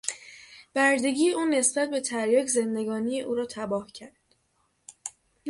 بردگی او نسبت به تریاک زندگانی او را تباه کرد.